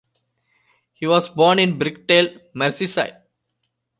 He was born in Birkdale, Merseyside.